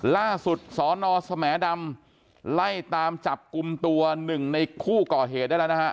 ล่าสุดสนสแหมดำไล่ตามจับกลุ่มตัวหนึ่งในผู้ก่อเหตุได้แล้วนะฮะ